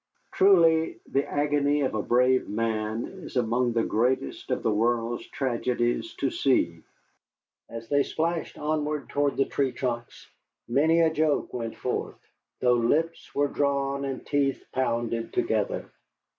Truly, the agony of a brave man is among the greatest of the world's tragedies to see. As they splashed onward through the tree trunks, many a joke went forth, though lips were drawn and teeth pounded together.